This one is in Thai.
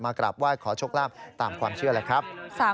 กราบไหว้ขอโชคลาภตามความเชื่อแหละครับ